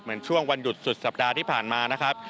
เหมือนช่วงวันหยุดสุดสัปดาห์ที่ผ่านมานะครับ